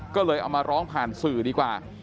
ก็เลยเอามาร้องผ่านสื่อดีกว่า